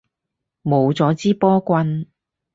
冇咗支波棍